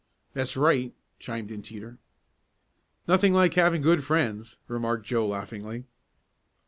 "That's right," chimed in Teeter. "Nothing like having good friends," remarked Joe laughingly.